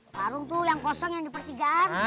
warung tuh yang kosong yang dipertigaan